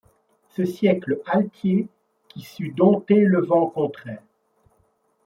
Ce siècle altier qui sut, dompter le vent contraire